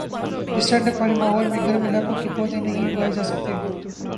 اس ٹھنڈک والے ماحول میں گرم علاقوں کے پودے نہیں اگائے جاسکتے